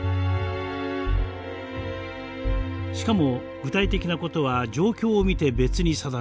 しかも具体的なことは「状況を見て別に定める」。